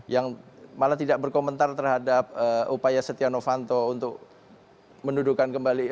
yang malah tidak berkomentar terhadap upaya setia novanto untuk mendudukan kembali